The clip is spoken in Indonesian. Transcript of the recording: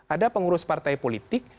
ada pengurus partai politik